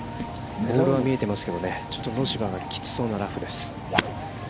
ボールは見えてますけど、ちょっときつそうなラフです。